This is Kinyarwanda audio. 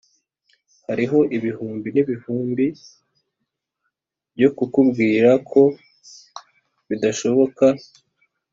hariho ibihumbi n'ibihumbi byo kukubwira ko bidashoboka,